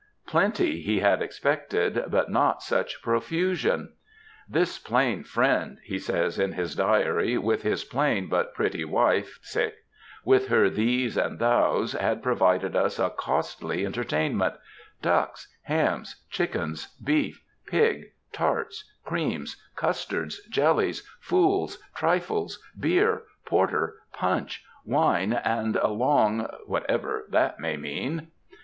Plenty he had expected, but not such profusion. "This plain Friend," he says in his diary, " with his plain but pretty wife [^], with her thees and thous, had provided us a costly enter tainment; ducks, hams, chickens, beef, pig, tarts, creams, custards, jellies, fools, trifles, beer, porter, punch, wine, and a long'' ŌĆö whatever that may mean.